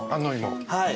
はい。